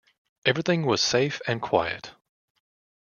Everything was safe and quiet.